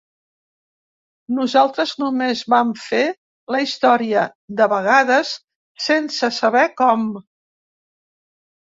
Nosaltres només vam fer la història, de vegades sense saber com.